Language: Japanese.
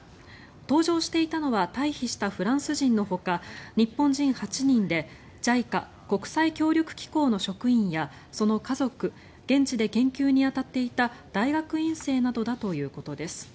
搭乗していたのは退避したフランス人のほか日本人８人でＪＩＣＡ・国際協力機構の職員やその家族現地で研究に当たっていた大学院生などだということです。